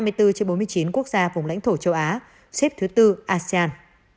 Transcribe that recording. tử vong trên một triệu dân xếp thứ sáu trên bốn mươi chín quốc gia vùng lãnh thổ châu á xếp thứ ba asean